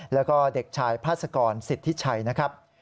แล้วก็เด็กชายพาสกรสิทธิชัยนะครับ